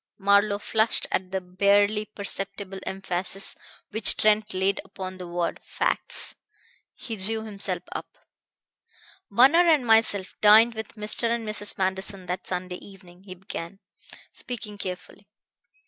Marlowe flushed at the barely perceptible emphasis which Trent laid upon the word "facts." He drew himself up. "Bunner and myself dined with Mr. and Mrs. Manderson that Sunday evening," he began, speaking carefully.